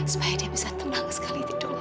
supaya dia bisa tenang sekali tidur